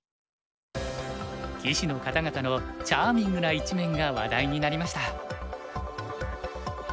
棋士の方々のチャーミングな一面が話題になりました。